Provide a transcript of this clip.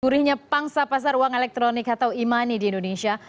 murihnya pangsa pasar uang elektronik atau imani di indonesia